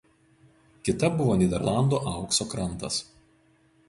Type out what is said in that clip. Kita buvo Nyderlandų Aukso krantas.